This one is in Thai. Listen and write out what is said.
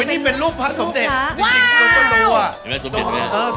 ยังชัดประตูหน้าต่าง